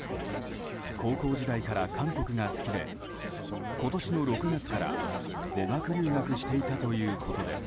高校時代から韓国が好きで今年の６月から語学留学していたということです。